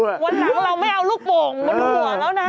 วันหลังเราไม่เอาลูกโป่งบนหัวแล้วนะ